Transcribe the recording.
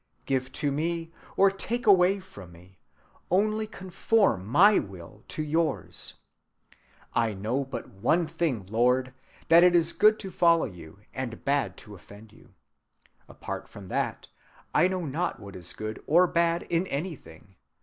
Give to me, or take away from me, only conform my will to yours. I know but one thing, Lord, that it is good to follow you, and bad to offend you. Apart from that, I know not what is good or bad in anything.